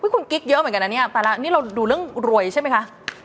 คุณกิ๊กเยอะเหมือนกันนะเนี่ยปาระนี่เราดูเรื่องรวยใช่ไหมคะ